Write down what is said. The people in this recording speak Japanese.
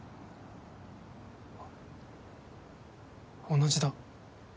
同じだ。